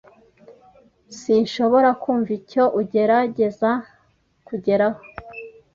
Sinshobora kumva icyo ugerageza kugeraho.